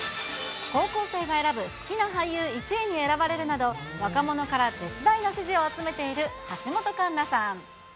高校生が選ぶ好きな俳優１位に選ばれるなど、若者から絶大な支持を集めている橋本環奈さん。